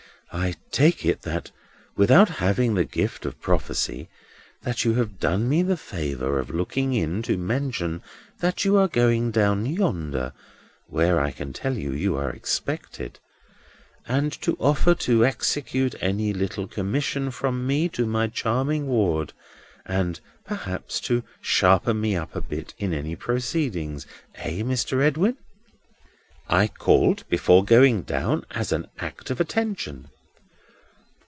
"I take it, without having the gift of prophecy, that you have done me the favour of looking in to mention that you are going down yonder—where I can tell you, you are expected—and to offer to execute any little commission from me to my charming ward, and perhaps to sharpen me up a bit in any proceedings? Eh, Mr. Edwin?" "I called, sir, before going down, as an act of attention."